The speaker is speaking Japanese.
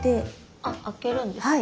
あっあけるんですね。